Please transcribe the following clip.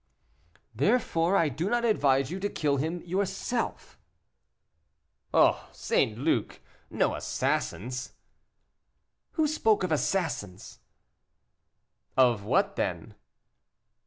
"Therefore I do not advise you to kill him yourself." "Oh, St. Luc, no assassins." "Who spoke of assassins?" "Of what then?"